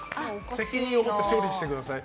責任を持って処理してください。